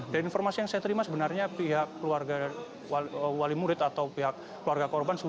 dan informasi yang saya terima sebenarnya pihak keluarga wali murid atau pihak keluarga korban